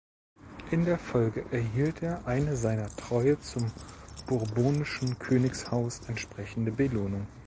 In der Folge erhielt er eine seiner Treue zum bourbonischen Königshaus entsprechende Belohnung.